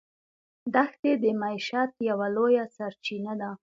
دښتې د معیشت یوه لویه سرچینه ده.